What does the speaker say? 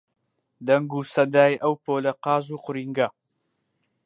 دەنگ و سەدای ئەو پۆلە قاز و قورینگە